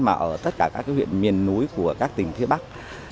mà ở tất cả các huyện miền núi của các tỉnh phía bắc